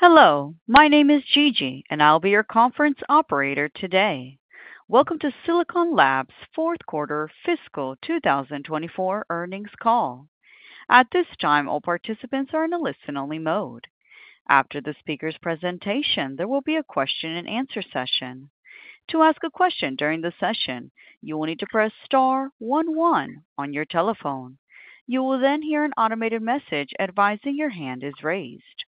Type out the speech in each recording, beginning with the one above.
Hello, my name is Gigi, and I'll be your conference operator today. Welcome to Silicon Labs' fourth quarter fiscal 2024 earnings call. At this time, all participants are in a listen-only mode. After the speaker's presentation, there will be a question-and-answer session. To ask a question during the session, you will need to press star one one on your telephone. You will then hear an automated message advising your hand is raised.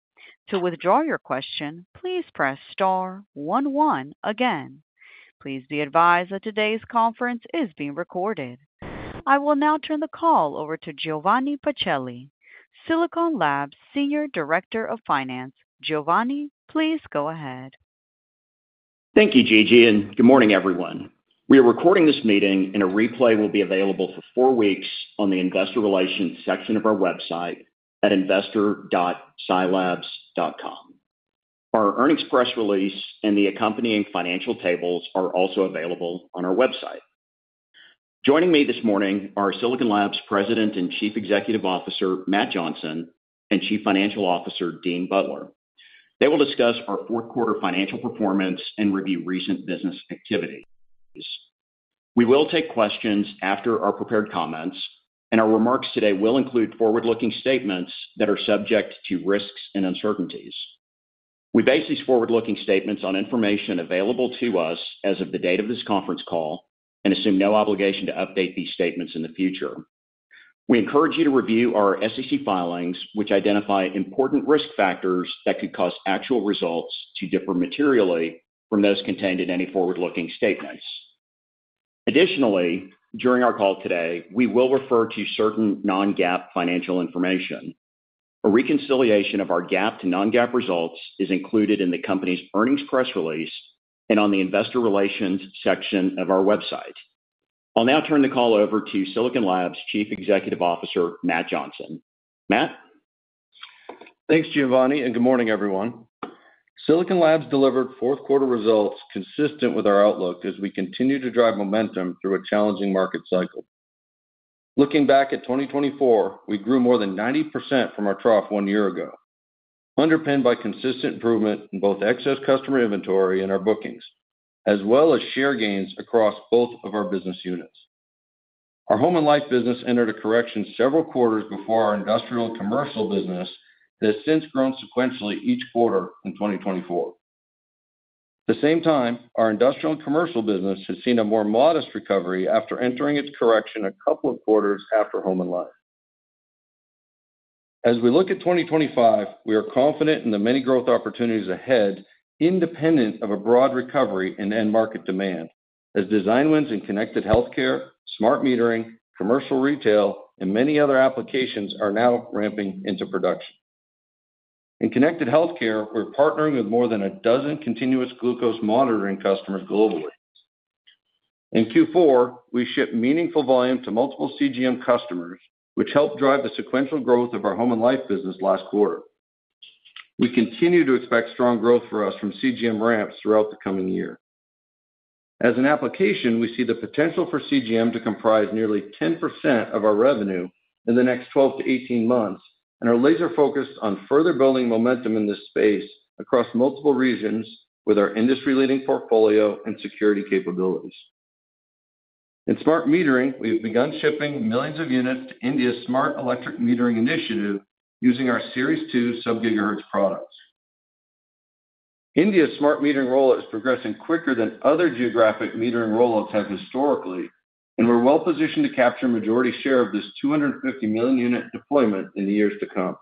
To withdraw your question, please press star one one again. Please be advised that today's conference is being recorded. I will now turn the call over to Giovanni Pacelli, Silicon Labs' Senior Director of Finance. Giovanni, please go ahead. Thank you, Gigi, and good morning, everyone. We are recording this meeting, and a replay will be available for four weeks on the investor relations section of our website at investor.silabs.com. Our earnings press release and the accompanying financial tables are also available on our website. Joining me this morning are Silicon Labs President and Chief Executive Officer Matt Johnson and Chief Financial Officer Dean Butler. They will discuss our fourth quarter financial performance and review recent business activity. We will take questions after our prepared comments, and our remarks today will include forward-looking statements that are subject to risks and uncertainties. We base these forward-looking statements on information available to us as of the date of this conference call and assume no obligation to update these statements in the future. We encourage you to review our SEC filings, which identify important risk factors that could cause actual results to differ materially from those contained in any forward-looking statements. Additionally, during our call today, we will refer to certain non-GAAP financial information. A reconciliation of our GAAP to non-GAAP results is included in the company's earnings press release and on the investor relations section of our website. I'll now turn the call over to Silicon Labs Chief Executive Officer Matt Johnson. Matt. Thanks, Giovanni, and good morning, everyone. Silicon Labs delivered fourth quarter results consistent with our outlook as we continue to drive momentum through a challenging market cycle. Looking back at 2024, we grew more than 90% from our trough one year ago, underpinned by consistent improvement in both excess customer inventory and our bookings, as well as share gains across both of our business units. Our Home and Life business entered a correction several quarters before our Industrial and Commercial business that has since grown sequentially each quarter in 2024. At the same time, our Industrial and Commercial business has seen a more modest recovery after entering its correction a couple of quarters after Home and Life. As we look at 2025, we are confident in the many growth opportunities ahead, independent of a broad recovery in end market demand, as design wins in connected healthcare, smart metering, commercial retail, and many other applications are now ramping into production. In connected healthcare, we're partnering with more than a dozen continuous glucose monitoring customers globally. In Q4, we shipped meaningful volume to multiple CGM customers, which helped drive the sequential growth of our Home and Life business last quarter. We continue to expect strong growth for us from CGM ramps throughout the coming year. As an application, we see the potential for CGM to comprise nearly 10% of our revenue in the next 12 to 18 months and are laser-focused on further building momentum in this space across multiple regions with our industry-leading portfolio and security capabilities. In smart metering, we have begun shipping millions of units to India's smart electric metering initiative using our Series 2 sub-gigahertz products. India's smart metering rollout is progressing quicker than other geographic metering rollouts have historically, and we're well-positioned to capture a majority share of this 250 million unit deployment in the years to come.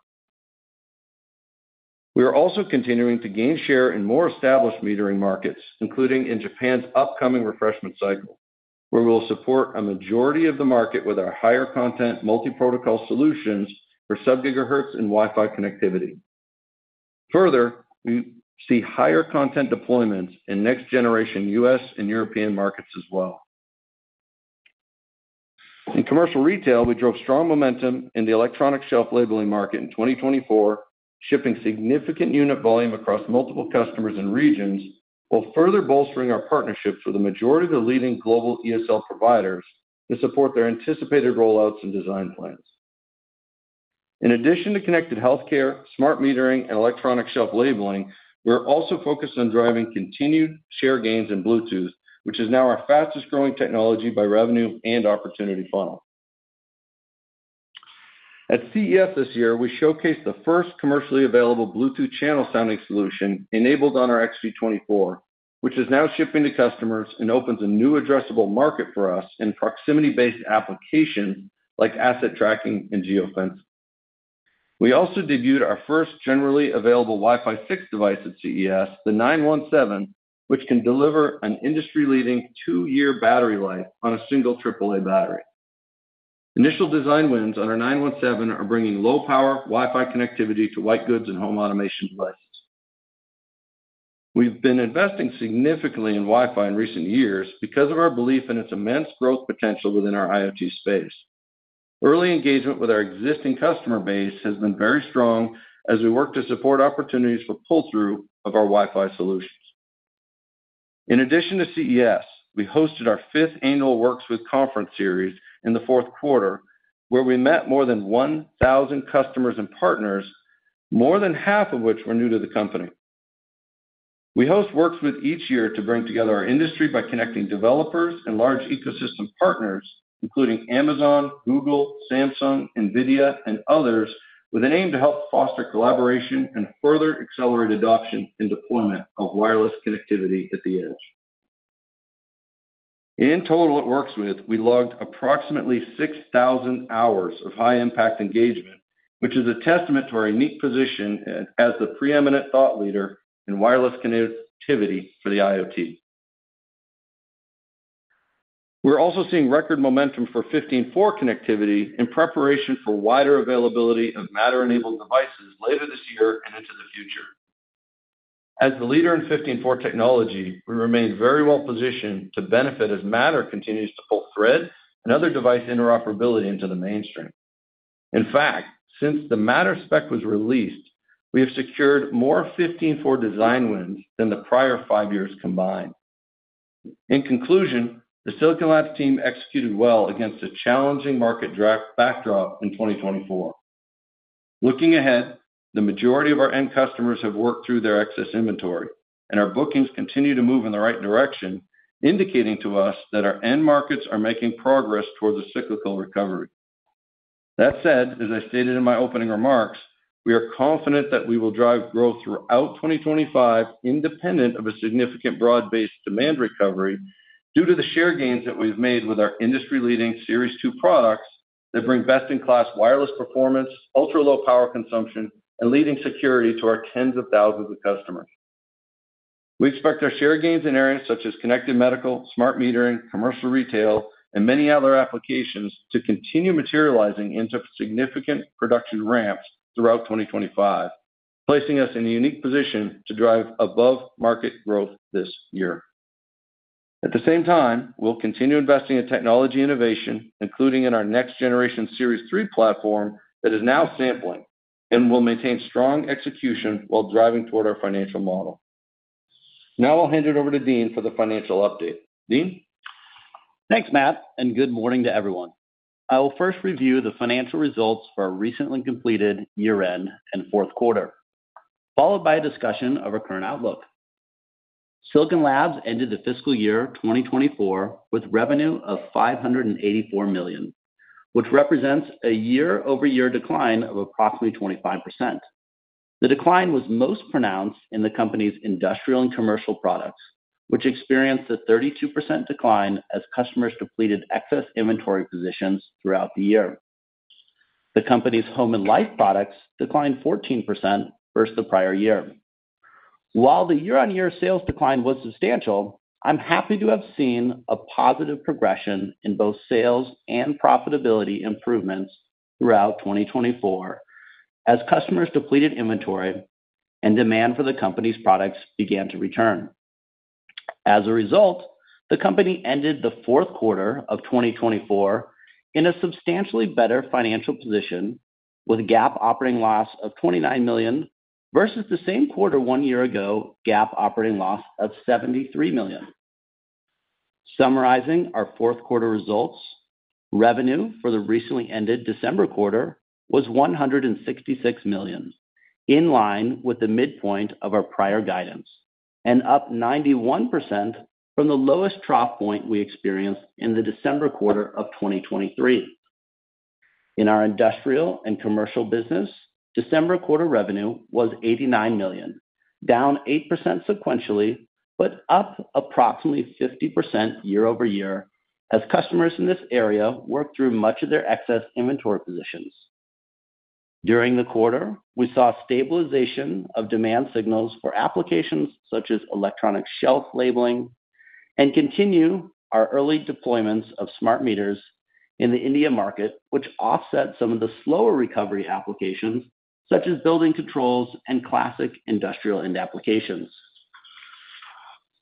We are also continuing to gain share in more established metering markets, including in Japan's upcoming refreshment cycle, where we will support a majority of the market with our higher content multi-protocol solutions for sub-gigahertz and Wi-Fi connectivity. Further, we see higher content deployments in next-generation U.S. and European markets as well. In commercial retail, we drove strong momentum in the electronic shelf labeling market in 2024, shipping significant unit volume across multiple customers and regions, while further bolstering our partnerships with a majority of the leading global ESL providers to support their anticipated rollouts and design plans. In addition to connected healthcare, smart metering, and electronic shelf labeling, we're also focused on driving continued share gains in Bluetooth, which is now our fastest-growing technology by revenue and opportunity funnel. At CES this year, we showcased the first commercially available Bluetooth Channel Sounding solution enabled on our xG24, which is now shipping to customers and opens a new addressable market for us in proximity-based applications like asset tracking and geofencing. We also debuted our first generally available Wi-Fi 6 device at CES, the 917, which can deliver an industry-leading two-year battery life on a single AAA battery. Initial design wins on our 917 are bringing low-power Wi-Fi connectivity to white goods and home automation devices. We've been investing significantly in Wi-Fi in recent years because of our belief in its immense growth potential within our IoT space. Early engagement with our existing customer base has been very strong as we work to support opportunities for pull-through of our Wi-Fi solutions. In addition to CES, we hosted our fifth annual Works With conference series in the fourth quarter, where we met more than 1,000 customers and partners, more than half of which were new to the company. We host Works With each year to bring together our industry by connecting developers and large ecosystem partners, including Amazon, Google, Samsung, NVIDIA, and others, with an aim to help foster collaboration and further accelerate adoption and deployment of wireless connectivity at the edge. In total at Works With, we logged approximately 6,000 hours of high-impact engagement, which is a testament to our unique position as the preeminent thought leader in wireless connectivity for the IoT. We're also seeing record momentum for 15.4 connectivity in preparation for wider availability of Matter-enabled devices later this year and into the future. As the leader in 15.4 technology, we remain very well-positioned to benefit as Matter continues to pull Thread and other device interoperability into the mainstream. In fact, since the Matter spec was released, we have secured more 15.4 design wins than the prior five years combined. In conclusion, the Silicon Labs team executed well against a challenging market backdrop in 2024. Looking ahead, the majority of our end customers have worked through their excess inventory, and our bookings continue to move in the right direction, indicating to us that our end markets are making progress towards a cyclical recovery. That said, as I stated in my opening remarks, we are confident that we will drive growth throughout 2025, independent of a significant broad-based demand recovery due to the share gains that we've made with our industry-leading Series 2 products that bring best-in-class wireless performance, ultra-low power consumption, and leading security to our tens of thousands of customers. We expect our share gains in areas such as connected medical, smart metering, commercial retail, and many other applications to continue materializing into significant production ramps throughout 2025, placing us in a unique position to drive above-market growth this year. At the same time, we'll continue investing in technology innovation, including in our next-generation Series 3 platform that is now sampling, and we'll maintain strong execution while driving toward our financial model. Now I'll hand it over to Dean for the financial update. Dean? Thanks, Matt, and good morning to everyone. I will first review the financial results for our recently completed year-end and fourth quarter, followed by a discussion of our current outlook. Silicon Labs ended the fiscal year 2024 with revenue of $584 million, which represents a year-over-year decline of approximately 25%. The decline was most pronounced in the company's Industrial and Commercial products, which experienced a 32% decline as customers depleted excess inventory positions throughout the year. The company's Home and Life products declined 14% versus the prior year. While the year-on-year sales decline was substantial, I'm happy to have seen a positive progression in both sales and profitability improvements throughout 2024 as customers depleted inventory and demand for the company's products began to return. As a result, the company ended the fourth quarter of 2024 in a substantially better financial position with GAAP operating loss of $29 million versus the same quarter one year ago, GAAP operating loss of $73 million. Summarizing our fourth quarter results, revenue for the recently ended December quarter was $166 million, in line with the midpoint of our prior guidance, and up 91% from the lowest trough point we experienced in the December quarter of 2023. In our Industrial and Commercial business, December quarter revenue was $89 million, down 8% sequentially, but up approximately 50% year-over-year as customers in this area worked through much of their excess inventory positions. During the quarter, we saw stabilization of demand signals for applications such as electronic shelf labeling and continue our early deployments of smart meters in the India market, which offset some of the slower recovery applications such as building controls and classic industrial end applications.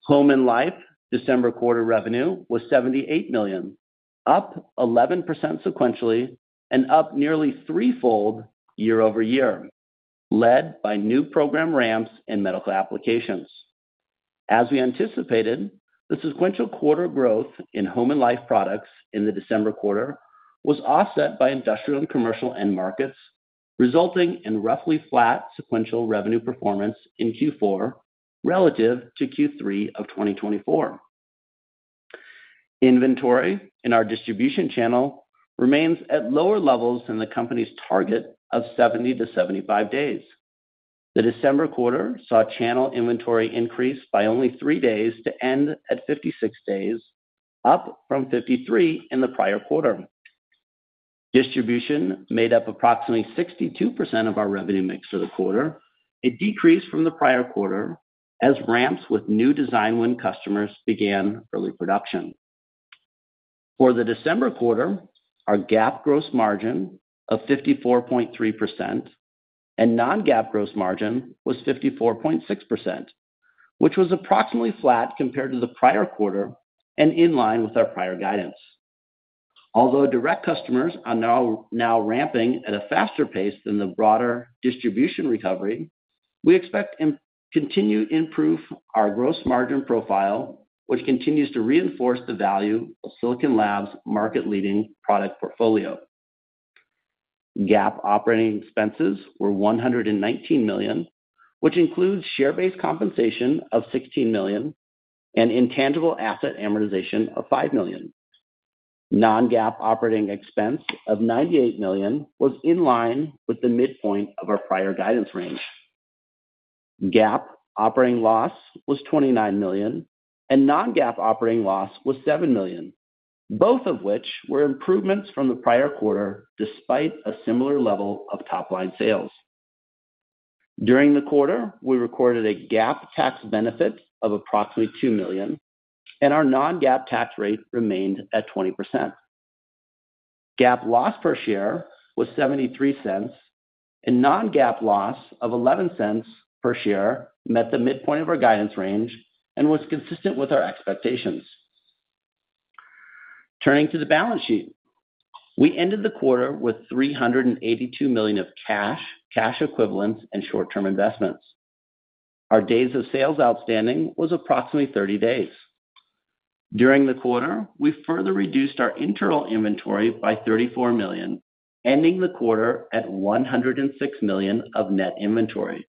Home and Life December quarter revenue was $78 million, up 11% sequentially and up nearly threefold year-over-year, led by new program ramps in medical applications. As we anticipated, the sequential quarter growth in Home and Life products in the December quarter was offset by Industrial and Commercial end markets, resulting in roughly flat sequential revenue performance in Q4 relative to Q3 of 2024. Inventory in our distribution channel remains at lower levels than the company's target of 70 days-75 days. The December quarter saw channel inventory increase by only three days to end at 56 days, up from 53 in the prior quarter. Distribution made up approximately 62% of our revenue mix for the quarter, a decrease from the prior quarter as ramps with new design win customers began early production. For the December quarter, our GAAP gross margin of 54.3% and non-GAAP gross margin was 54.6%, which was approximately flat compared to the prior quarter and in line with our prior guidance. Although direct customers are now ramping at a faster pace than the broader distribution recovery, we expect to continue to improve our gross margin profile, which continues to reinforce the value of Silicon Labs' market-leading product portfolio. GAAP operating expenses were $119 million, which includes share-based compensation of $16 million and intangible asset amortization of $5 million. Non-GAAP operating expense of $98 million was in line with the midpoint of our prior guidance range. GAAP operating loss was $29 million, and non-GAAP operating loss was $7 million, both of which were improvements from the prior quarter despite a similar level of top-line sales. During the quarter, we recorded a GAAP tax benefit of approximately $2 million, and our non-GAAP tax rate remained at 20%. GAAP loss per share was $0.73, and non-GAAP loss of $0.11 per share met the midpoint of our guidance range and was consistent with our expectations. Turning to the balance sheet, we ended the quarter with $382 million of cash, cash equivalents, and short-term investments. Our days of sales outstanding was approximately 30 days. During the quarter, we further reduced our internal inventory by $34 million, ending the quarter at $106 million of net inventory,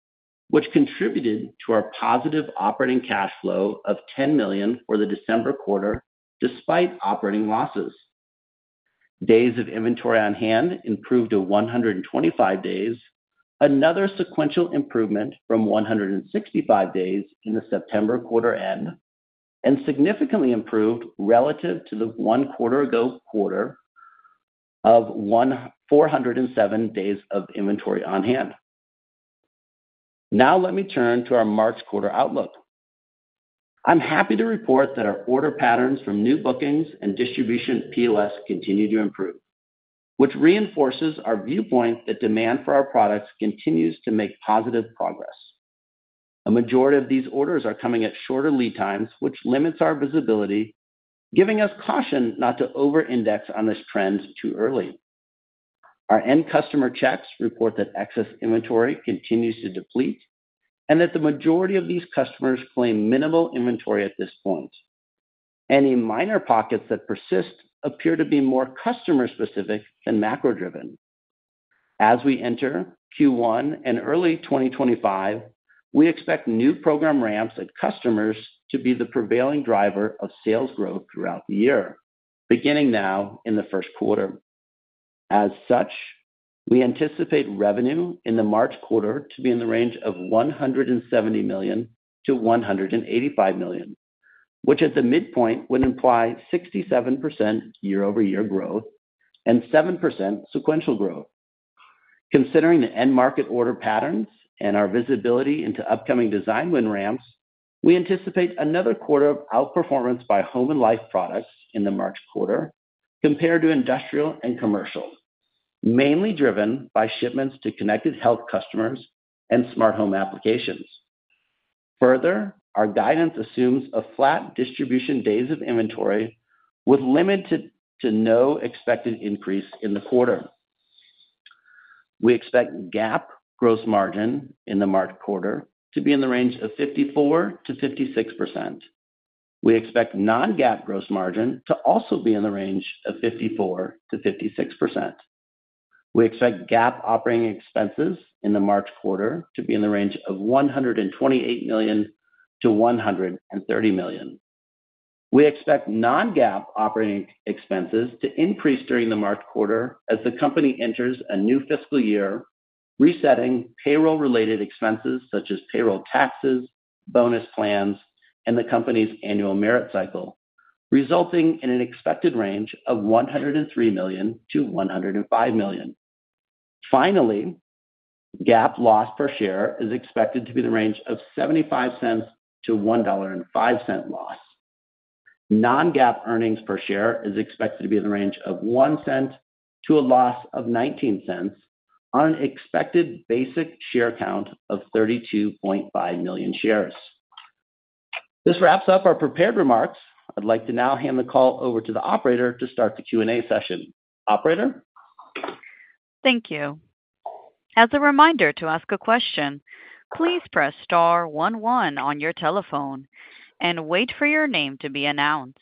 which contributed to our positive operating cash flow of $10 million for the December quarter despite operating losses. Days of inventory on hand improved to 125 days, another sequential improvement from 165 days in the September quarter end, and significantly improved relative to the one quarter ago quarter of 407 days of inventory on hand. Now let me turn to our March quarter outlook. I'm happy to report that our order patterns from new bookings and distribution POS continue to improve, which reinforces our viewpoint that demand for our products continues to make positive progress. A majority of these orders are coming at shorter lead times, which limits our visibility, giving us caution not to over-index on this trend too early. Our end customer checks report that excess inventory continues to deplete and that the majority of these customers claim minimal inventory at this point. Any minor pockets that persist appear to be more customer-specific than macro-driven. As we enter Q1 and early 2025, we expect new program ramps at customers to be the prevailing driver of sales growth throughout the year, beginning now in the first quarter. As such, we anticipate revenue in the March quarter to be in the range of $170 million-$185 million, which at the midpoint would imply 67% year-over-year growth and 7% sequential growth. Considering the end market order patterns and our visibility into upcoming design win ramps, we anticipate another quarter of outperformance by Home and Life products in the March quarter compared to Industrial and Commercial, mainly driven by shipments to connected health customers and smart home applications. Further, our guidance assumes a flat distribution days of inventory with limited to no expected increase in the quarter. We expect GAAP gross margin in the March quarter to be in the range of 54%-56%. We expect non-GAAP gross margin to also be in the range of 54%-56%. We expect GAAP operating expenses in the March quarter to be in the range of $128 million-$130 million. We expect non-GAAP operating expenses to increase during the March quarter as the company enters a new fiscal year, resetting payroll-related expenses such as payroll taxes, bonus plans, and the company's annual merit cycle, resulting in an expected range of $103-$105 million. Finally, GAAP loss per share is expected to be in the range of $0.75-$1.05 loss. Non-GAAP earnings per share is expected to be in the range of $0.01 to a loss of $0.19 on an expected basic share count of 32.5 million shares. This wraps up our prepared remarks. I'd like to now hand the call over to the operator to start the Q&A session. Operator? Thank you. As a reminder to ask a question, please press star one one on your telephone and wait for your name to be announced.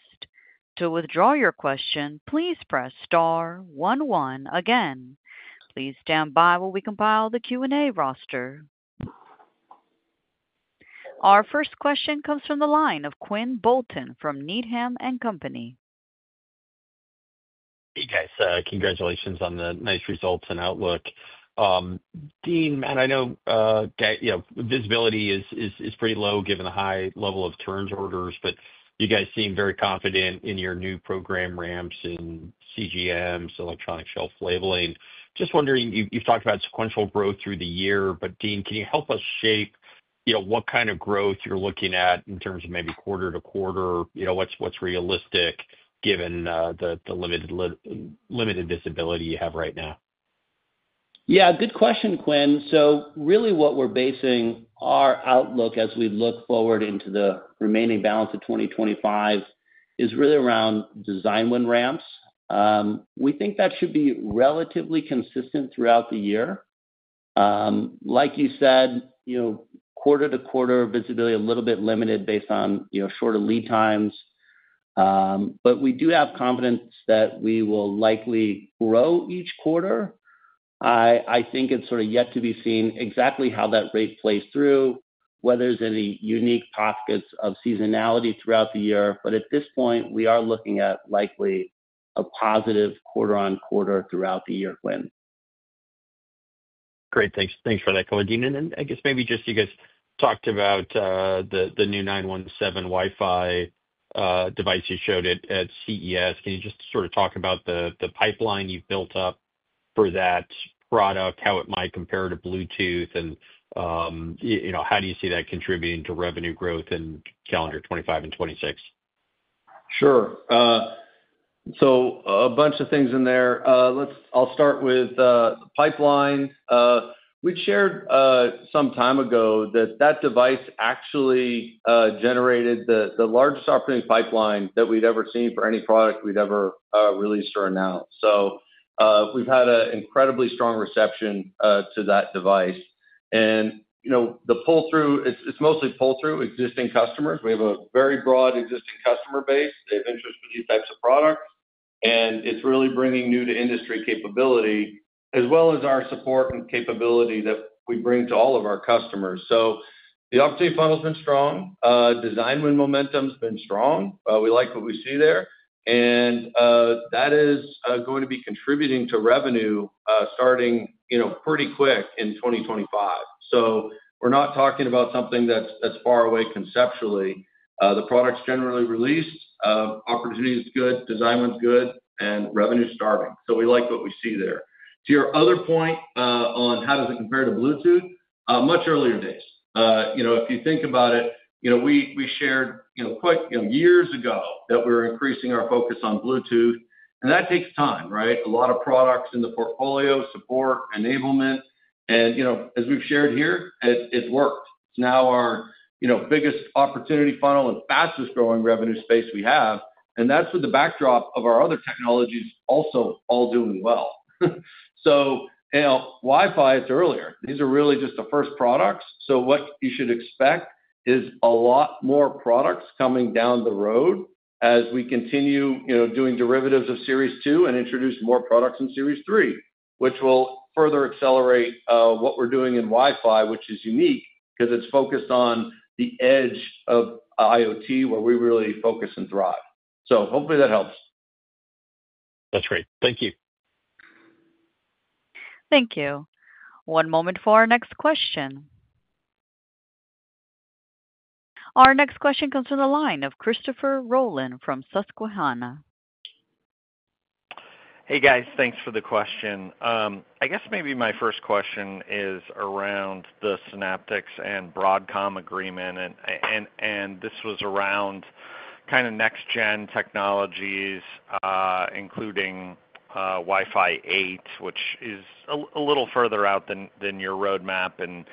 To withdraw your question, please press star one one again. Please stand by while we compile the Q&A roster. Our first question comes from the line of Quinn Bolton from Needham & Company. Okay. So congratulations on the nice results and outlook. Dean, I know visibility is pretty low given the high level of turns orders, but you guys seem very confident in your new program ramps in CGMs, electronic shelf labeling. Just wondering, you've talked about sequential growth through the year, but Dean, can you help us shape what kind of growth you're looking at in terms of maybe quarter to quarter? What's realistic given the limited visibility you have right now? Yeah. Good question, Quinn. So really what we're basing our outlook as we look forward into the remaining balance of 2025 is really around design win ramps. We think that should be relatively consistent throughout the year. Like you said, quarter-to-quarter visibility a little bit limited based on shorter lead times, but we do have confidence that we will likely grow each quarter. I think it's sort of yet to be seen exactly how that rate plays through, whether there's any unique pockets of seasonality throughout the year, but at this point, we are looking at likely a positive quarter-on-quarter throughout the year, Quinn. Great. Thanks for that, Dean, and then I guess maybe just you guys talked about the new 917 Wi-Fi device you showed at CES. Can you just sort of talk about the pipeline you've built up for that product, how it might compare to Bluetooth, and how do you see that contributing to revenue growth in calendar 2025 and 2026? Sure. So a bunch of things in there. I'll start with the pipeline. We'd shared some time ago that that device actually generated the largest operating pipeline that we'd ever seen for any product we'd ever released or announced. So we've had an incredibly strong reception to that device. And the pull-through, it's mostly pull-through existing customers. We have a very broad existing customer base. They have interest in these types of products, and it's really bringing new-to-industry capability as well as our support and capability that we bring to all of our customers. So the opportunity funnel has been strong. Design win momentum has been strong. We like what we see there. And that is going to be contributing to revenue starting pretty quick in 2025. So we're not talking about something that's far away conceptually. The product's generally released. Opportunity is good. Design win's good. And revenue's starting. So we like what we see there. To your other point on how does it compare to Bluetooth, much earlier days. If you think about it, we shared quite a few years ago that we were increasing our focus on Bluetooth, and that takes time, right? A lot of products in the portfolio, support, enablement. And as we've shared here, it's worked. It's now our biggest opportunity funnel and fastest-growing revenue space we have. And that's with the backdrop of our other technologies also all doing well. So Wi-Fi is earlier. These are really just the first products. So what you should expect is a lot more products coming down the road as we continue doing derivatives of Series 2 and introduce more products in Series 3, which will further accelerate what we're doing in Wi-Fi, which is unique because it's focused on the edge of IoT where we really focus and thrive. So hopefully that helps. That's great. Thank you. Thank you. One moment for our next question. Our next question comes from the line of Christopher Rolland from Susquehanna. Hey, guys. Thanks for the question. I guess maybe my first question is around the Synaptics and Broadcom agreement, and this was around kind of next-gen technologies, including Wi-Fi 8, which is a little further out than your roadmap. And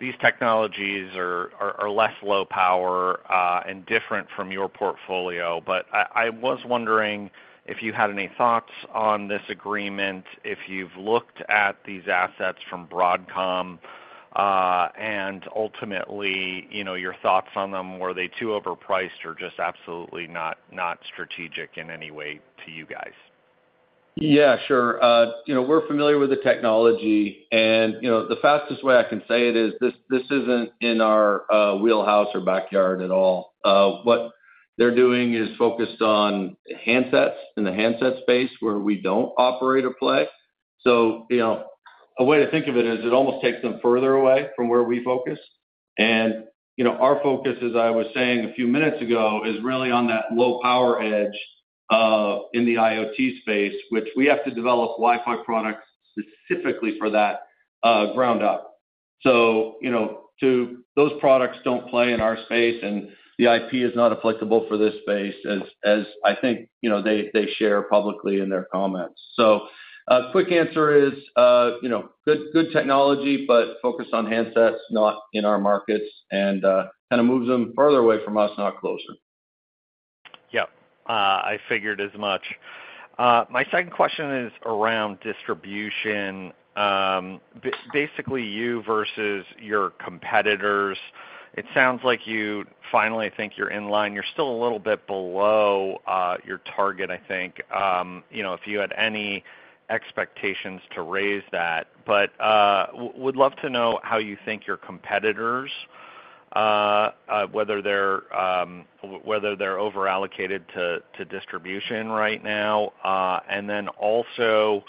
these technologies are less low power and different from your portfolio. But I was wondering if you had any thoughts on this agreement, if you've looked at these assets from Broadcom, and ultimately, your thoughts on them. Were they too overpriced or just absolutely not strategic in any way to you guys? Yeah, sure. We're familiar with the technology, and the fastest way I can say it is this isn't in our wheelhouse or backyard at all. What they're doing is focused on handsets in the handset space where we don't operate or play. So a way to think of it is it almost takes them further away from where we focus. And our focus, as I was saying a few minutes ago, is really on that low-power edge in the IoT space, which we have to develop Wi-Fi products specifically for that ground up. So those products don't play in our space, and the IP is not applicable for this space, as I think they share publicly in their comments. So a quick answer is good technology, but focus on handsets, not in our markets, and kind of moves them further away from us, not closer. Yep. I figured as much. My second question is around distribution. Basically, you versus your competitors. It sounds like you finally think you're in line. You're still a little bit below your target, I think, if you had any expectations to raise that. But would love to know how you think your competitors, whether they're overallocated to distribution right now, and then also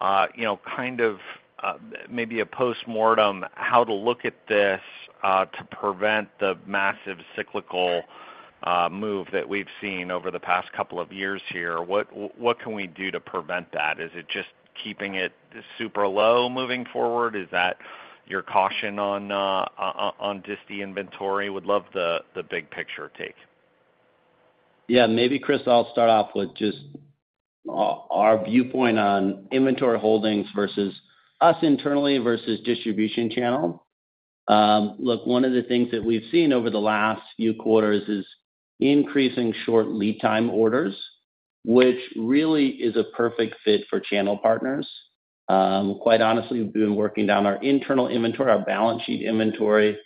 kind of maybe a post-mortem, how to look at this to prevent the massive cyclical move that we've seen over the past couple of years here. What can we do to prevent that? Is it just keeping it super low moving forward? Is that your caution on disty inventory? Would love the big picture take. Yeah. Maybe, Chris, I'll start off with just our viewpoint on inventory holdings versus us internally versus distribution channel. Look, one of the things that we've seen over the last few quarters is increasing short lead time orders, which really is a perfect fit for channel partners. Quite honestly, we've been working down our internal inventory, our balance sheet inventory.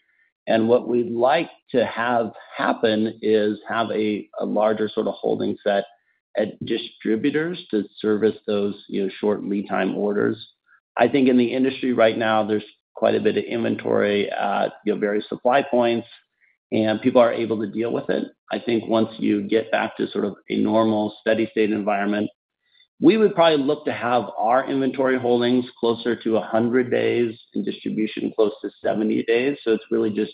And what we'd like to have happen is have a larger sort of holding set at distributors to service those short lead time orders. I think in the industry right now, there's quite a bit of inventory at various supply points, and people are able to deal with it. I think once you get back to sort of a normal steady-state environment, we would probably look to have our inventory holdings closer to 100 days and distribution close to 70 days. So, it's really just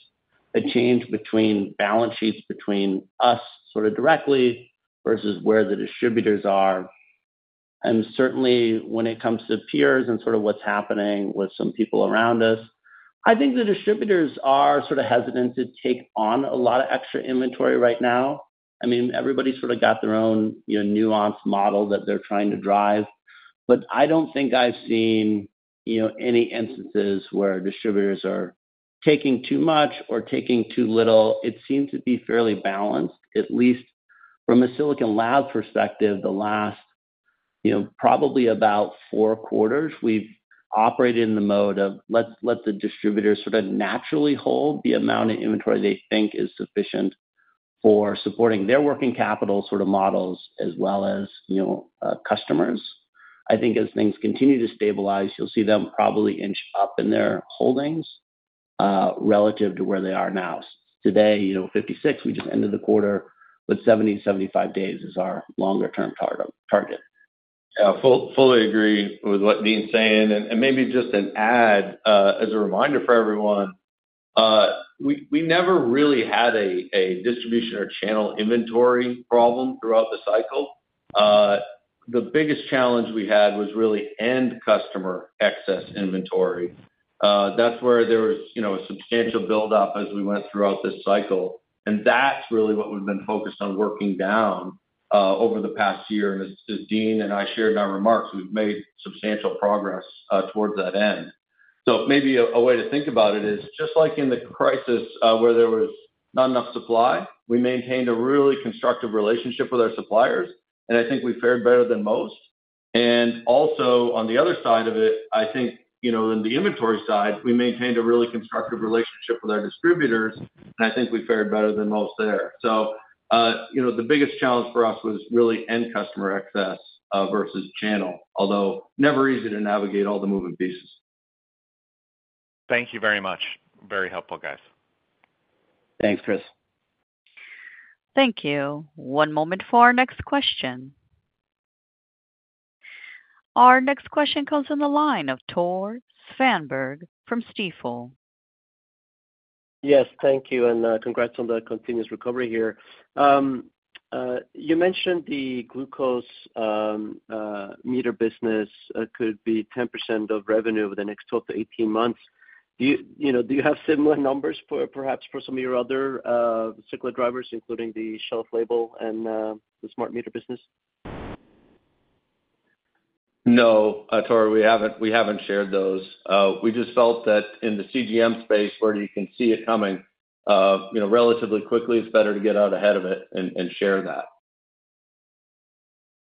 a change between balance sheets between us sort of directly versus where the distributors are. And certainly, when it comes to peers and sort of what's happening with some people around us, I think the distributors are sort of hesitant to take on a lot of extra inventory right now. I mean, everybody sort of got their own nuanced model that they're trying to drive. But I don't think I've seen any instances where distributors are taking too much or taking too little. It seems to be fairly balanced. At least from a Silicon Labs perspective, the last probably about four quarters, we've operated in the mode of, "Let the distributors sort of naturally hold the amount of inventory they think is sufficient for supporting their working capital sort of models as well as customers." I think as things continue to stabilize, you'll see them probably inch up in their holdings relative to where they are now. Today, 56. We just ended the quarter with 70 days-75 days as our longer-term target. Yeah. Fully agree with what Dean's saying. And maybe just an add as a reminder for everyone, we never really had a distribution or channel inventory problem throughout the cycle. The biggest challenge we had was really end customer excess inventory. That's where there was a substantial buildup as we went throughout this cycle. And that's really what we've been focused on working down over the past year. And as Dean and I shared in our remarks, we've made substantial progress towards that end. So maybe a way to think about it is just like in the crisis where there was not enough supply, we maintained a really constructive relationship with our suppliers, and I think we fared better than most. And also, on the other side of it, I think in the inventory side, we maintained a really constructive relationship with our distributors, and I think we fared better than most there. So the biggest challenge for us was really end customer excess versus channel, although never easy to navigate all the moving pieces. Thank you very much. Very helpful, guys. Thanks, Chris. Thank you. One moment for our next question. Our next question comes in the line of Tore Svanberg from Stifel. Yes. Thank you. Congrats on the continuous recovery here. You mentioned the glucose meter business could be 10% of revenue over the next 12 months-18 months. Do you have similar numbers perhaps for some of your other cyclic drivers, including the shelf label and the smart meter business? No, Tore. We haven't shared those. We just felt that in the CGM space, where you can see it coming relatively quickly, it's better to get out ahead of it and share that.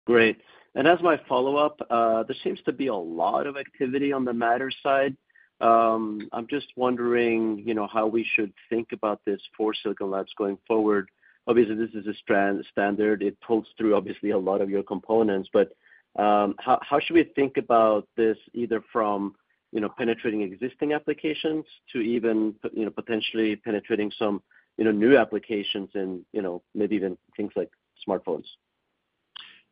Great. And as my follow-up, there seems to be a lot of activity on the Matter side. I'm just wondering how we should think about this for Silicon Labs going forward. Obviously, this is a standard. It pulls through, obviously, a lot of your components. But how should we think about this either from penetrating existing applications to even potentially penetrating some new applications and maybe even things like smartphones?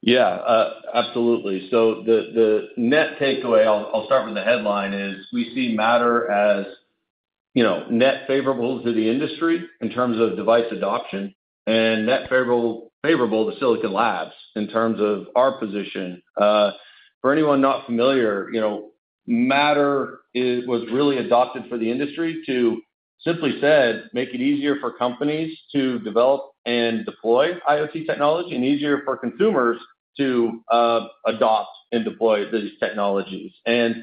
Yeah. Absolutely. So the net takeaway, I'll start with the headline, is we see Matter as net favorable to the industry in terms of device adoption and net favorable to Silicon Labs in terms of our position. For anyone not familiar, Matter was really adopted for the industry to simply make it easier for companies to develop and deploy IoT technology and easier for consumers to adopt and deploy these technologies. And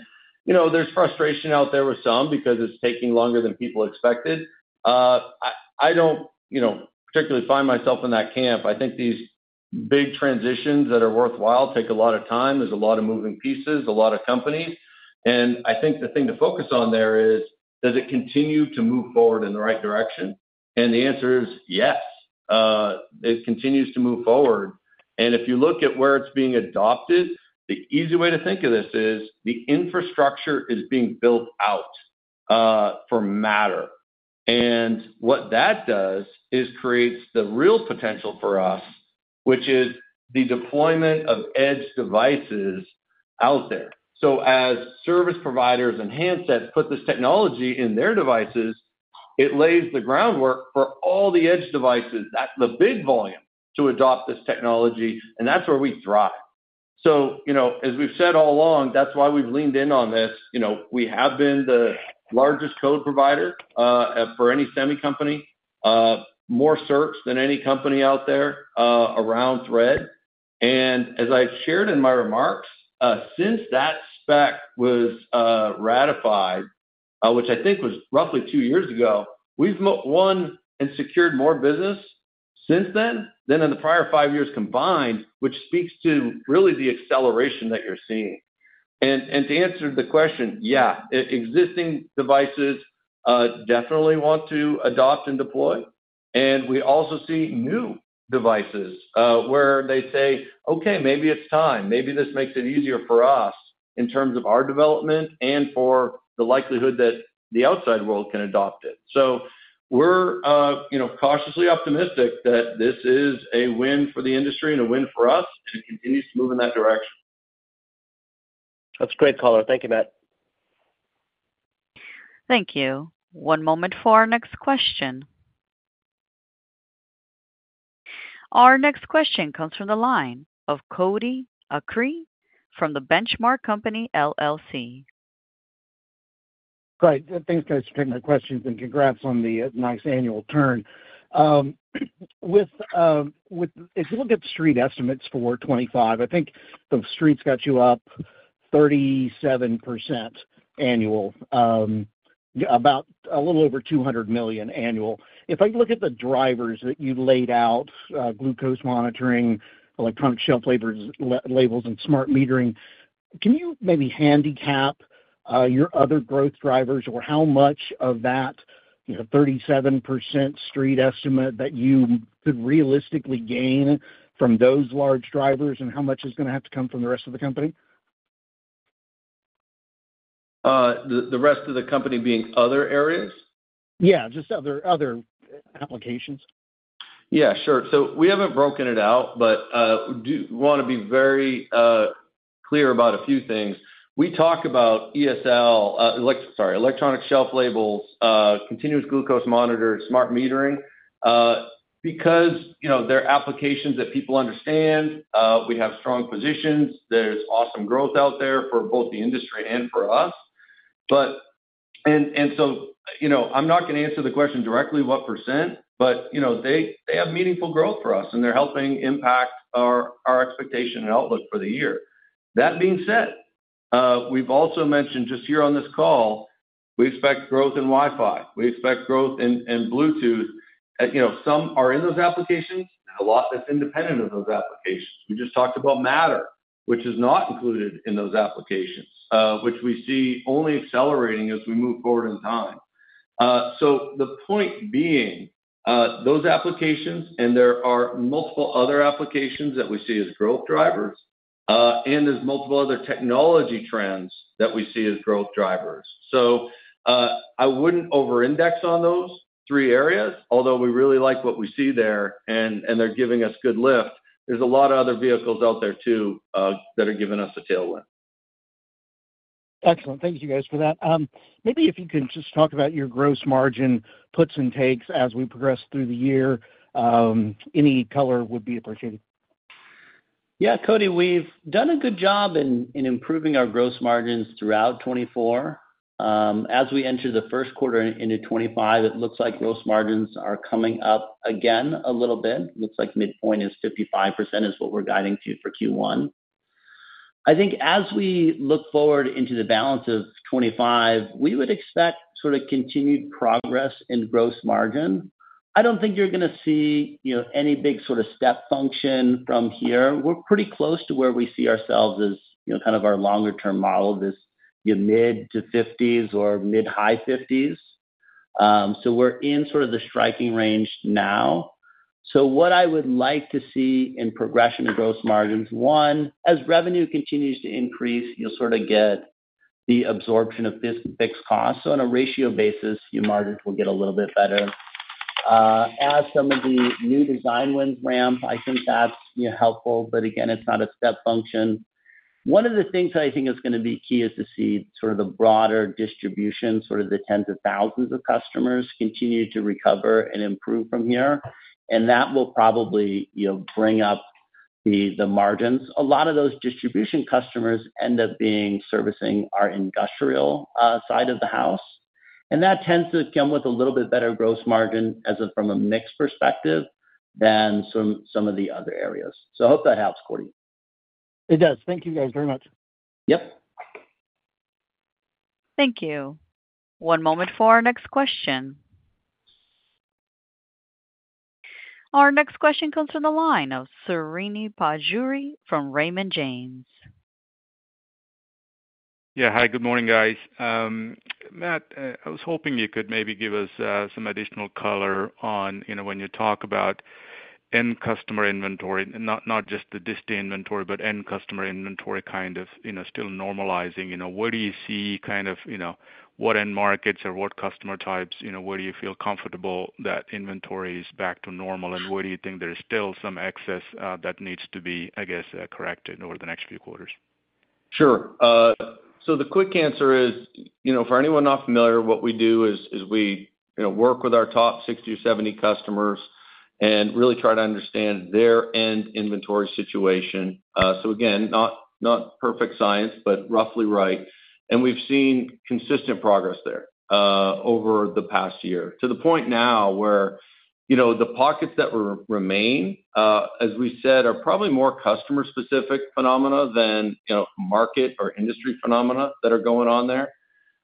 there's frustration out there with some because it's taking longer than people expected. I don't particularly find myself in that camp. I think these big transitions that are worthwhile take a lot of time. There's a lot of moving pieces, a lot of companies. And I think the thing to focus on there is, does it continue to move forward in the right direction? And the answer is yes. It continues to move forward. And if you look at where it's being adopted, the easy way to think of this is the infrastructure is being built out for Matter. And what that does is creates the real potential for us, which is the deployment of edge devices out there. So as service providers and handsets put this technology in their devices, it lays the groundwork for all the edge devices, the big volume, to adopt this technology. And that's where we thrive. So as we've said all along, that's why we've leaned in on this. We have been the largest code provider for any semi company. More so than any company out there around Thread. As I shared in my remarks, since that spec was ratified, which I think was roughly two years ago, we've won and secured more business since then than in the prior five years combined, which speaks to really the acceleration that you're seeing. To answer the question, yeah, existing devices definitely want to adopt and deploy. We also see new devices where they say, "Okay, maybe it's time. Maybe this makes it easier for us in terms of our development and for the likelihood that the outside world can adopt it." We're cautiously optimistic that this is a win for the industry and a win for us, and it continues to move in that direction. That's great, caller. Thank you, Matt. Thank you. One moment for our next question. Our next question comes from the line of Cody Acree from The Benchmark Company, LLC. Great. Thanks, guys, for taking my questions and congrats on the nice annual turn. If you look at street estimates for 2025, I think the street's got you up 37% annual, about a little over $200 million annual. If I look at the drivers that you laid out, glucose monitoring, electronic shelf labels, and smart metering, can you maybe handicap your other growth drivers, or how much of that 37% street estimate that you could realistically gain from those large drivers, and how much is going to have to come from the rest of the company? The rest of the company being other areas? Yeah. Just other applications. Yeah. Sure. So we haven't broken it out, but I want to be very clear about a few things. We talk about ESL, sorry, electronic shelf labels, continuous glucose monitors, smart metering. Because they're applications that people understand, we have strong positions. There's awesome growth out there for both the industry and for us. And so I'm not going to answer the question directly, what percent, but they have meaningful growth for us, and they're helping impact our expectation and outlook for the year. That being said, we've also mentioned just here on this call, we expect growth in Wi-Fi. We expect growth in Bluetooth. Some are in those applications, and a lot that's independent of those applications. We just talked about Matter, which is not included in those applications, which we see only accelerating as we move forward in time. So the point being, those applications, and there are multiple other applications that we see as growth drivers, and there's multiple other technology trends that we see as growth drivers. So I wouldn't over-index on those three areas, although we really like what we see there, and they're giving us good lift. There's a lot of other vehicles out there too that are giving us a tailwind. Excellent. Thank you, guys, for that. Maybe if you can just talk about your gross margin puts and takes as we progress through the year, any color would be appreciated. Yeah. Cody, we've done a good job in improving our gross margins throughout 2024. As we enter the first quarter into 2025, it looks like gross margins are coming up again a little bit. Looks like midpoint is 55% is what we're guiding to for Q1. I think as we look forward into the balance of 2025, we would expect sort of continued progress in gross margin. I don't think you're going to see any big sort of step function from here. We're pretty close to where we see ourselves as kind of our longer-term model is mid-50s or mid-high 50s. So we're in sort of the striking range now. So what I would like to see in progression and gross margins, one, as revenue continues to increase, you'll sort of get the absorption of fixed costs. So on a ratio basis, your margins will get a little bit better. As some of the new design wins ramp, I think that's helpful. But again, it's not a step function. One of the things that I think is going to be key is to see sort of the broader distribution, sort of the tens of thousands of customers continue to recover and improve from here. And that will probably bring up the margins. A lot of those distribution customers end up being servicing our industrial side of the house. And that tends to come with a little bit better gross margin from a mixed perspective than some of the other areas. So I hope that helps, Cody. It does. Thank you, guys, very much. Yep. Thank you. One moment for our next question. Our next question comes from the line of Srini Pajjuri from Raymond James. Yeah. Hi. Good morning, guys. Matt, I was hoping you could maybe give us some additional color on when you talk about end customer inventory, not just the distributor inventory, but end customer inventory kind of still normalizing. Where do you see kind of what end markets or what customer types, where do you feel comfortable that inventory is back to normal, and where do you think there's still some excess that needs to be, I guess, corrected over the next few quarters? Sure, so the quick answer is, for anyone not familiar, what we do is we work with our top 60 or 70 customers and really try to understand their end inventory situation, so again, not perfect science, but roughly right, and we've seen consistent progress there over the past year to the point now where the pockets that remain, as we said, are probably more customer-specific phenomena than market or industry phenomena that are going on there,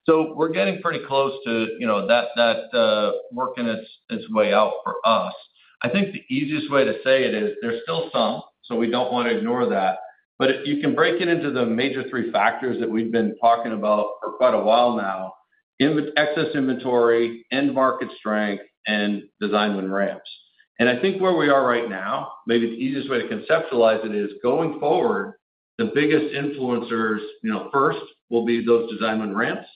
so we're getting pretty close to that working its way out for us. I think the easiest way to say it is there's still some, so we don't want to ignore that, but you can break it into the major three factors that we've been talking about for quite a while now: excess inventory, end market strength, and design-win ramps. And I think where we are right now, maybe the easiest way to conceptualize it is going forward, the biggest influencers first will be those design win ramps.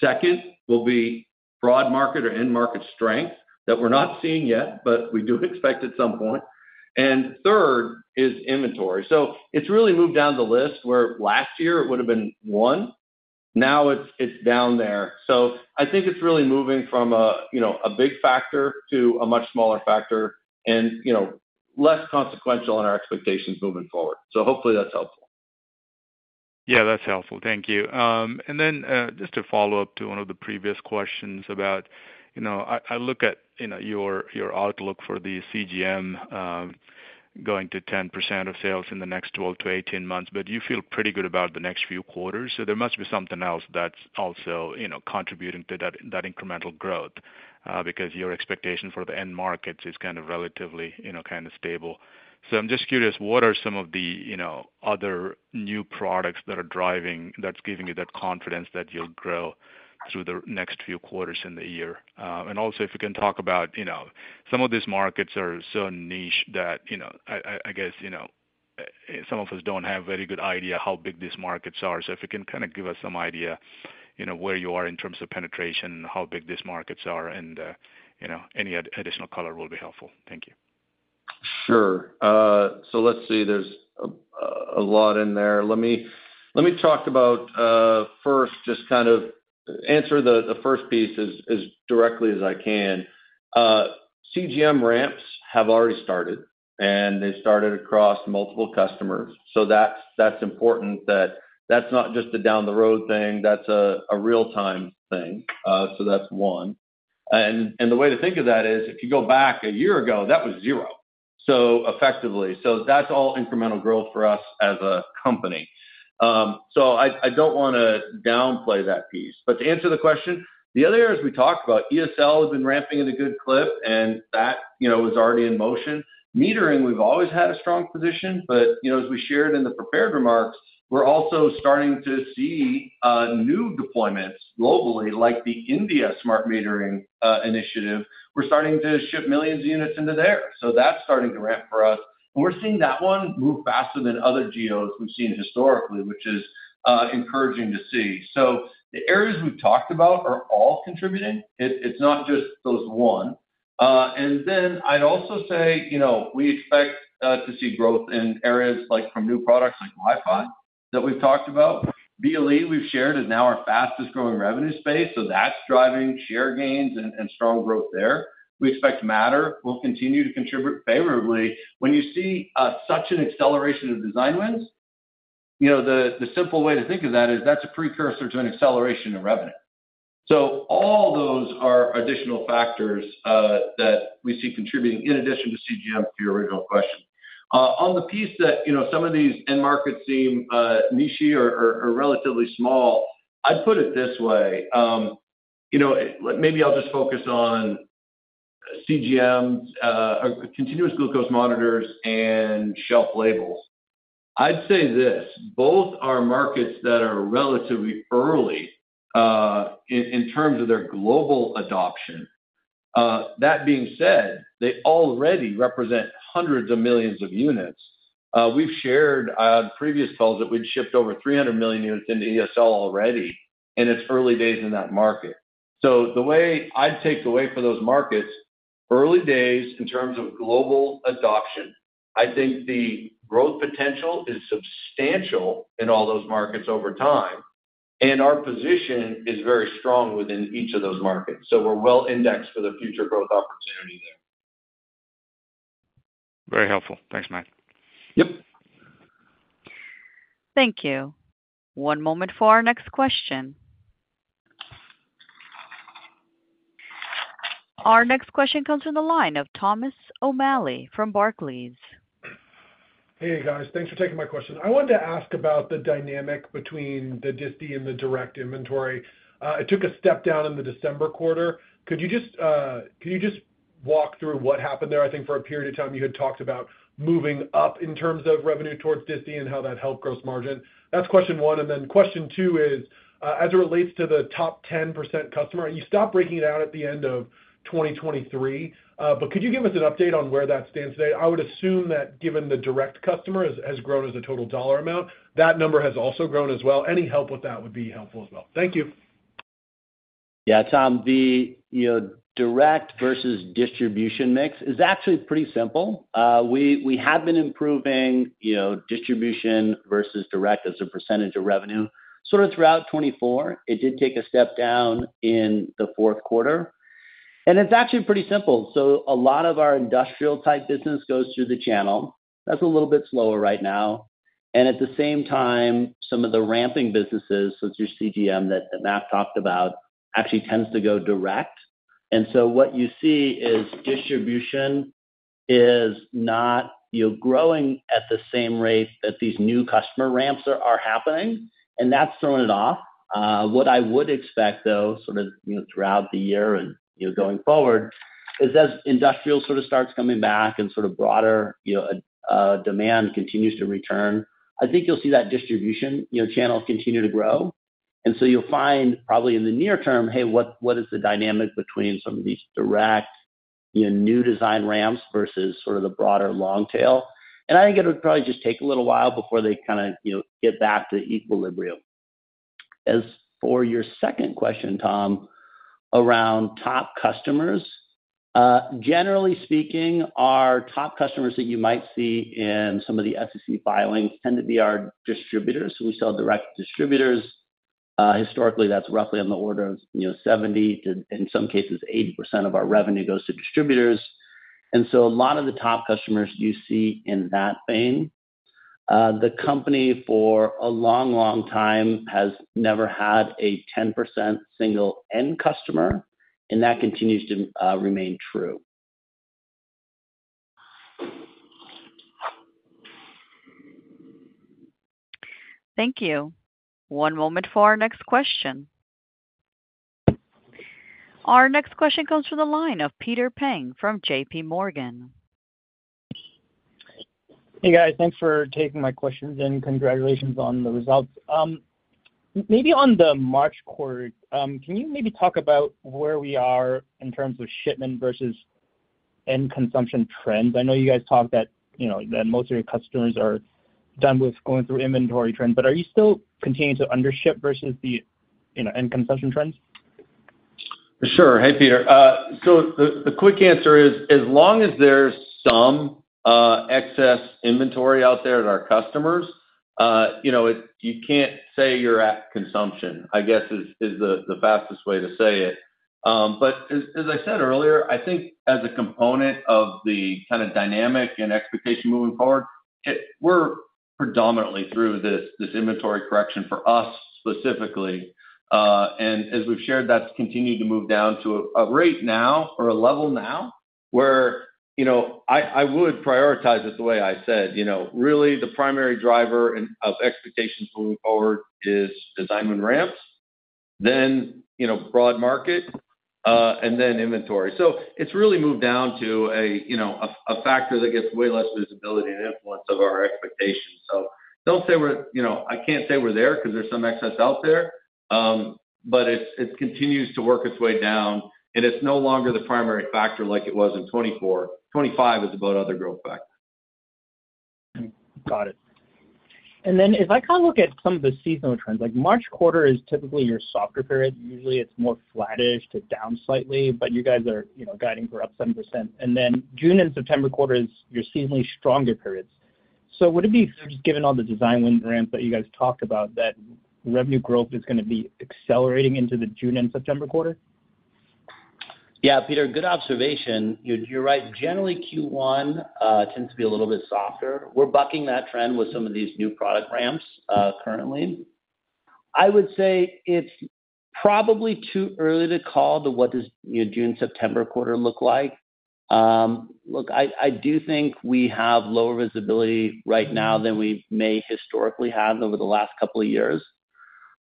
Second will be broad market or end market strength that we're not seeing yet, but we do expect at some point. And third is inventory. So it's really moved down the list where last year it would have been one. Now it's down there. So I think it's really moving from a big factor to a much smaller factor and less consequential on our expectations moving forward. So hopefully that's helpful. Yeah. That's helpful. Thank you. And then just to follow up to one of the previous questions about I look at your outlook for the CGM going to 10% of sales in the next 12 months-18 months, but you feel pretty good about the next few quarters. So there must be something else that's also contributing to that incremental growth because your expectation for the end markets is kind of relatively kind of stable. So I'm just curious, what are some of the other new products that are driving that's giving you that confidence that you'll grow through the next few quarters in the year? And also, if you can talk about some of these markets are so niche that I guess some of us don't have a very good idea how big these markets are. So if you can kind of give us some idea where you are in terms of penetration and how big these markets are, and any additional color will be helpful? Thank you. Sure. So let's see. There's a lot in there. Let me talk about first, just kind of answer the first piece as directly as I can. CGM ramps have already started, and they started across multiple customers, so that's important that that's not just a down-the-road thing. That's a real-time thing, so that's one, and the way to think of that is if you go back a year ago, that was zero, so effectively, so that's all incremental growth for us as a company, so I don't want to downplay that piece, but to answer the question, the other areas we talked about, ESL has been ramping at a good clip, and that was already in motion. Metering, we've always had a strong position, but as we shared in the prepared remarks, we're also starting to see new deployments globally, like the India smart metering initiative. We're starting to ship millions of units into there. So that's starting to ramp for us. And we're seeing that one move faster than other geos we've seen historically, which is encouraging to see. So the areas we've talked about are all contributing. It's not just those one. And then I'd also say we expect to see growth in areas like from new products like Wi-Fi that we've talked about. BLE, we've shared, is now our fastest growing revenue space. So that's driving share gains and strong growth there. We expect Matter will continue to contribute favorably. When you see such an acceleration of design wins, the simple way to think of that is that's a precursor to an acceleration of revenue. So all those are additional factors that we see contributing in addition to CGM to your original question. On the piece that some of these end markets seem niche or relatively small, I'd put it this way. Maybe I'll just focus on CGMs, continuous glucose monitors, and shelf labels. I'd say this: both are markets that are relatively early in terms of their global adoption. That being said, they already represent hundreds of millions of units. We've shared on previous calls that we've shipped over 300 million units into ESL already, and it's early days in that market. So the way I'd take the way for those markets, early days in terms of global adoption, I think the growth potential is substantial in all those markets over time, and our position is very strong within each of those markets. So we're well indexed for the future growth opportunity there. Very helpful. Thanks, Matt. Yep. Thank you. One moment for our next question. Our next question comes from the line of Thomas O'Malley from Barclays. Hey, guys. Thanks for taking my question. I wanted to ask about the dynamic between the disty and the direct inventory. It took a step down in the December quarter. Could you just walk through what happened there? I think for a period of time, you had talked about moving up in terms of revenue towards disty and how that helped gross margin. That's question one. And then question two is, as it relates to the top 10% customer, you stopped breaking it out at the end of 2023. But could you give us an update on where that stands today? I would assume that given the direct customer has grown as a total dollar amount, that number has also grown as well. Any help with that would be helpful as well. Thank you. Yeah. Tom, the direct versus distribution mix is actually pretty simple. We have been improving distribution versus direct as a percentage of revenue sort of throughout 2024. It did take a step down in the fourth quarter, and it's actually pretty simple, so a lot of our industrial-type business goes through the channel. That's a little bit slower right now, and at the same time, some of the ramping businesses, such as CGM that Matt talked about, actually tends to go direct, and so what you see is distribution is not growing at the same rate that these new customer ramps are happening, and that's throwing it off. What I would expect, though, sort of throughout the year and going forward, is as industrial sort of starts coming back and sort of broader demand continues to return, I think you'll see that distribution channel continue to grow. And so you'll find probably in the near term, hey, what is the dynamic between some of these direct new design ramps versus sort of the broader long tail? And I think it would probably just take a little while before they kind of get back to equilibrium. As for your second question, Tom, around top customers, generally speaking, our top customers that you might see in some of the SEC filings tend to be our distributors. We sell directly to distributors. Historically, that's roughly on the order of 70%-80% of our revenue goes to distributors. And so a lot of the top customers you see in that vein, the company for a long, long time has never had a 10% single end customer, and that continues to remain true. Thank you. One moment for our next question. Our next question comes from the line of Peter Peng from JP Morgan. Hey, guys. Thanks for taking my questions and congratulations on the results. Maybe on the March quarter, can you maybe talk about where we are in terms of shipment versus end consumption trends? I know you guys talked that most of your customers are done with going through inventory trends, but are you still continuing to undership versus the end consumption trends? Sure. Hey, Peter. So the quick answer is, as long as there's some excess inventory out there at our customers, you can't say you're at consumption, I guess, is the fastest way to say it. But as I said earlier, I think as a component of the kind of dynamics and expectations moving forward, we're predominantly through this inventory correction for us specifically. And as we've shared, that's continued to move down to a rate now or a level now where I would prioritize it the way I said. Really, the primary driver of expectations moving forward is design win ramps, then broad market, and then inventory. So it's really moved down to a factor that gets way less visibility and influence of our expectations. So don't say we're—I can't say we're there because there's some excess out there, but it continues to work its way down. It's no longer the primary factor like it was in 2024. 2025 is about other growth factors. Got it. And then if I kind of look at some of the seasonal trends, March quarter is typically your softer period. Usually, it's more flattish to down slightly, but you guys are guiding for up 7%. And then June and September quarter is your seasonally stronger periods. So would it be, just given all the design win ramp that you guys talked about, that revenue growth is going to be accelerating into the June and September quarter? Yeah, Peter, good observation. You're right. Generally, Q1 tends to be a little bit softer. We're bucking that trend with some of these new product ramps currently. I would say it's probably too early to call what the June-September quarter looks like. Look, I do think we have lower visibility right now than we may historically have over the last couple of years.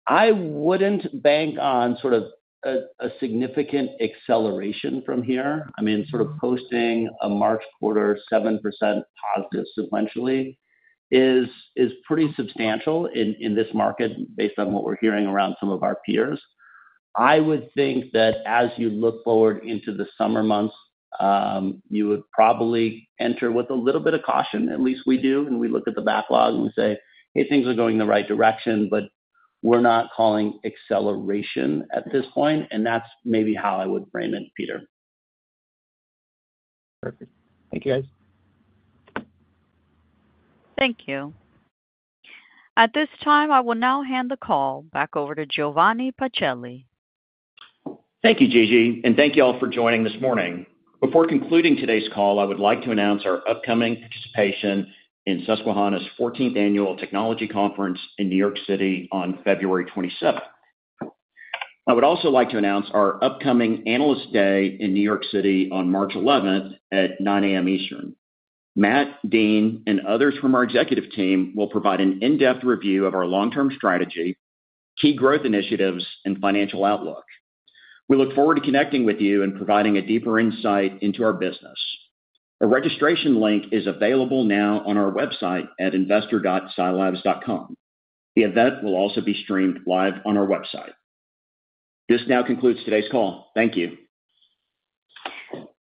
I wouldn't bank on sort of a significant acceleration from here. I mean, sort of posting a March quarter 7% positive sequentially is pretty substantial in this market based on what we're hearing around some of our peers. I would think that as you look forward into the summer months, you would probably enter with a little bit of caution. At least we do. We look at the backlog and we say, "Hey, things are going the right direction, but we're not calling acceleration at this point." That's maybe how I would frame it, Peter. Perfect. Thank you, guys. Thank you. At this time, I will now hand the call back over to Giovanni Pacelli. Thank you, Gigi. And thank you all for joining this morning. Before concluding today's call, I would like to announce our upcoming participation in Susquehanna's 14th Annual Technology Conference in New York City on February 27th. I would also like to announce our upcoming Analyst Day in New York City on March 11th at 9:00 A.M. Eastern. Matt, Dean, and others from our executive team will provide an in-depth review of our long-term strategy, key growth initiatives, and financial outlook. We look forward to connecting with you and providing a deeper insight into our business. A registration link is available now on our website at investor.silabs.com. The event will also be streamed live on our website. This now concludes today's call. Thank you.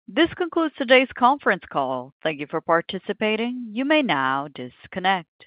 This concludes today's conference call. Thank you for participating. You may now disconnect.